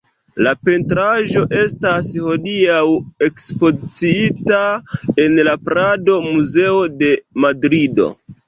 La pentraĵo estas hodiaŭ ekspoziciita en la Prado-Muzeo de Madrido.